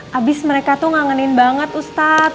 habis mereka tuh ngangenin banget ustadz